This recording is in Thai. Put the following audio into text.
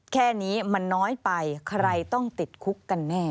แค่นี้มันน้อยไปใครต้องติดคุกกันแน่